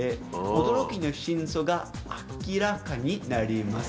驚きの真相が明らかになります。